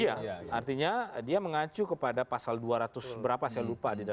iya artinya dia mengacu kepada pasal dua ratus berapa saya lupa